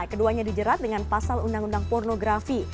keduanya dijerat dengan pasal undang undang pornografi